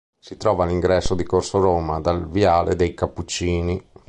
Si trova all'ingresso di Corso Roma dal viale dei Cappuccini.